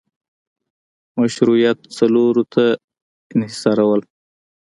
مشروعیت څلورو ته انحصارول